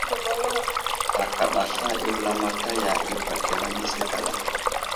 Ta kaɗa sla i wulamataya i bak i lamise kaɗa.